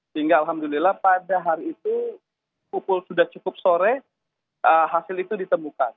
sehingga alhamdulillah pada hari itu pukul sudah cukup sore hasil itu ditemukan